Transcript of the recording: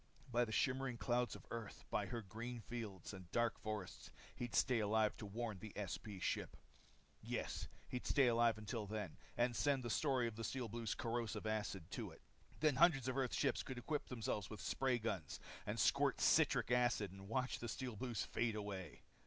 By the shimmering clouds of Earth, by her green fields, and dark forests, he'd stay alive to warn the SP ship. Yes, he'd stay alive till then. And send the story of the Steel Blues' corrosive acid to it. Then hundreds of Earth's ships could equip themselves with spray guns and squirt citric acid and watch the Steel Blues fade away.